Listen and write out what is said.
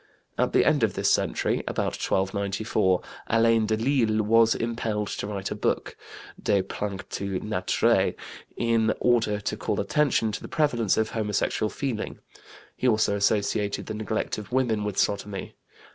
At the end of this century (about 1294) Alain de Lille was impelled to write a book, De Planctu Naturæ, in order to call attention to the prevalence of homosexual feeling; he also associated the neglect of women with sodomy.